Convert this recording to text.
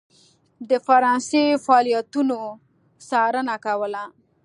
د فرانسې فعالیتونو څارنه کوله.